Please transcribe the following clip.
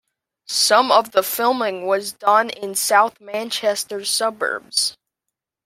Some of the filming was done in south Manchester suburbs.